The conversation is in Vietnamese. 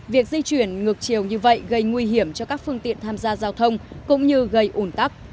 việc di chuyển ngược chiều như vậy gây nguy hiểm cho các phương tiện tham gia giao thông cũng như gây ủn tắc